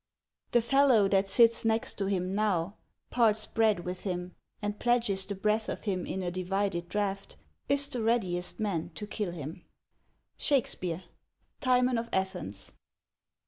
XII. The fellow that sits next him now, parts bread with him, and pledges the breath of him in a divided draught, is the readiest man to kill him. — SHAKESPEARE: Timvn of Athens.